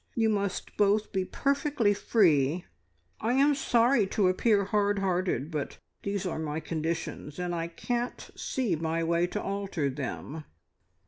You must both be perfectly free. I am sorry to appear hard hearted, but these are my conditions, and I can't see my way to alter them."